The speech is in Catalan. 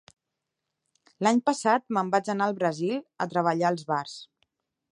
L'any passat me'n vaig anar al Brasil, a treballar als bars.